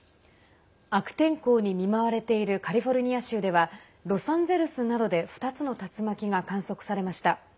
悪天候に見舞われているカリフォルニア州ではロサンゼルスなどで２つの竜巻が観測されました。